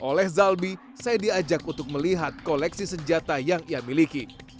oleh zalbi saya diajak untuk melihat koleksi senjata yang ia miliki